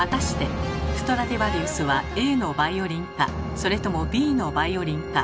それともＢのバイオリンか？